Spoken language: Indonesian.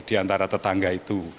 diantara tetangga itu